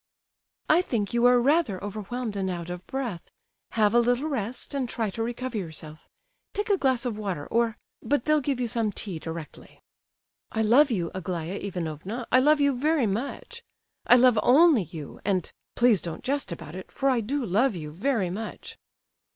"I think you are rather overwhelmed and out of breath. Have a little rest, and try to recover yourself. Take a glass of water, or—but they'll give you some tea directly." "I love you, Aglaya Ivanovna,—I love you very much. I love only you—and—please don't jest about it, for I do love you very much."